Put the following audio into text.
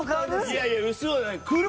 いやいや薄男じゃない。